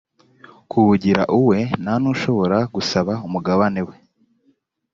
kuwugira uwe ntanushobora gusaba umugabane we